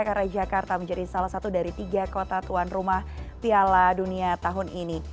karena jakarta menjadi salah satu dari tiga kota tuan rumah piala dunia tahun ini